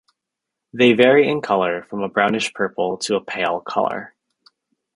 They vary in colour from a brownish purple to a pale colour.